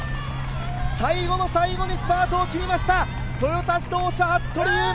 最後の最後にスパートを切りました、トヨタ自動車、服部勇馬。